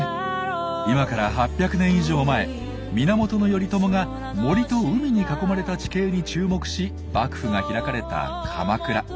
今から８００年以上前源頼朝が森と海に囲まれた地形に注目し幕府が開かれた鎌倉。